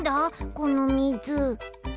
このみず。